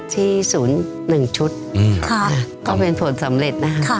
ที่ศูนย์หนึ่งชุดอืมค่ะก็เป็นผลสำเร็จนะคะค่ะ